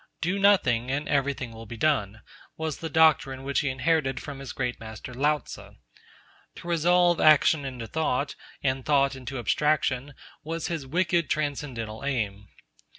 'Do nothing, and everything will be done,' was the doctrine which he inherited from his great master Lao Tzu. To resolve action into thought, and thought into abstraction, was his wicked transcendental aim.